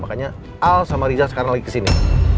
makanya al sama riza sekarang lagi ke sini